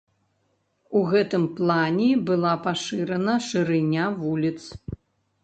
У гэтым плане была пашырана шырыня вуліц.